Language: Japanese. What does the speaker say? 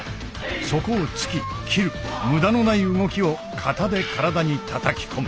そこを突き斬る無駄のない動きを型で体にたたき込む。